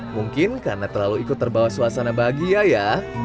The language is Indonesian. mungkin karena terlalu ikut terbawa suasana bahagia ya